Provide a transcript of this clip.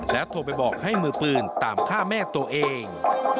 โทรไปบอกให้มือปืนตามฆ่าแม่ตัวเอง